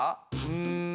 うん。